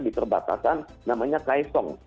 di perbatasan kaya sarrong